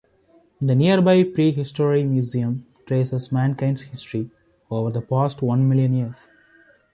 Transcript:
The nearby Prehistory Museum traces mankind's history over the past one million years.